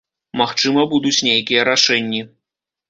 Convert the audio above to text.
Магчыма, будуць нейкія рашэнні.